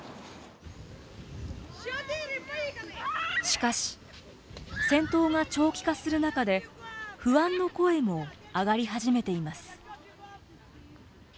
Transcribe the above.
しかし、戦闘が長期化する中で不安の声も上がり始めています。